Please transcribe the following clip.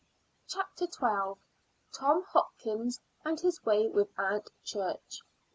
CHAPTER XII. TOM HOPKINS AND HIS WAY WITH AUNT CHURCH.